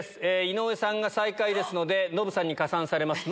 井上さんが最下位ですのでノブさんに加算されます。